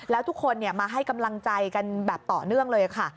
แล้วทุกคนมาให้กำลังใจกันแบบต่อเนื่องเลยค่ะ